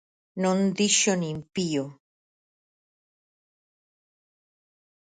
Non dixo nin pío.